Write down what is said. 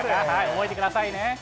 覚えてくださいね。